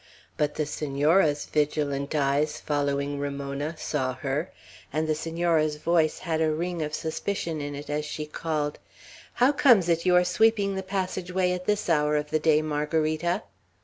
But the Senora's vigilant eyes, following Ramona, saw her; and the Senora's voice had a ring of suspicion in it, as she called, "How comes it you are sweeping the passage way at this hour of the day, Margarita?"